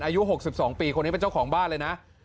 อายุ๖๒ปีคนนี้เป็นเจ้าของบ้านเลยนะ